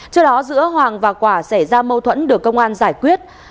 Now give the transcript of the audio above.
trước đó giữa hoàng và quả xảy ra mâu thuẫn được công an giải quyết